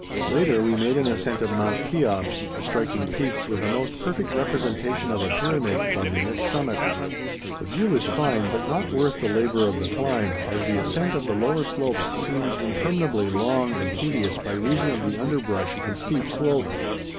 Later, we made an ascent of Mount Cheops, a striking peak with a most perfect representation of a pyramid forming its summit. The view is fine but not worth the labor of the climb, as the ascent of the lower slopes seems interminably long and tedious by reason of the underbrush and steep slope.